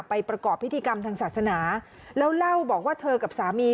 ประกอบพิธีกรรมทางศาสนาแล้วเล่าบอกว่าเธอกับสามี